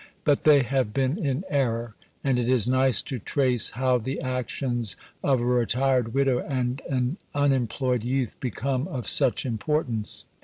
But they have been in error; and it is nice to trace how the actions of a retired widow and an unemployed youth become of such importance.